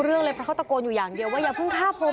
เรื่องเลยเพราะเขาตะโกนอยู่อย่างเดียวว่าอย่าเพิ่งฆ่าผม